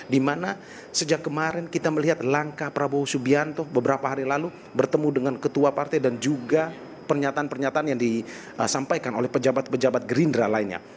dimana sejak kemarin kita melihat langkah prabowo subianto beberapa hari lalu bertemu dengan ketua partai dan juga pernyataan pernyataan yang disampaikan oleh pejabat pejabat gerindra lainnya